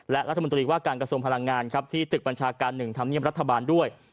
และรัฐมนตรีว่าการกระทรวงพลังงานครับที่ตึกบัญชาการ๑ธรรมเนียมรัฐบาลด้วย